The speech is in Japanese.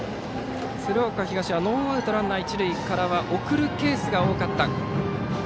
鶴岡東はノーアウトランナー、一塁からは送るケースが多かった。